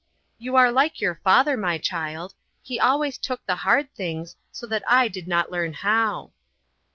You are like your father, my child ; he alwa} r s took the hard things, so that I did not learn how."